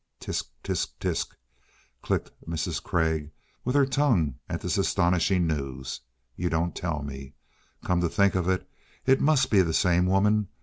"Tst! Tst! Tst!" clicked Mrs. Craig with her tongue at this astonishing news. "You don't tell me! Come to think of it, it must be the same woman.